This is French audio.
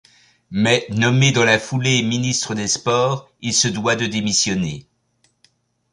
Mais nommé dans la foulée ministre des Sports, il se doit de démissionner.